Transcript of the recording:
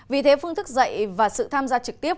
vì thế phương thức dạy và sự tham gia trực tiếp